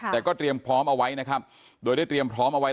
แต่ก็เตรียมพร้อมเอาไว้นะครับโดยได้เตรียมพร้อมเอาไว้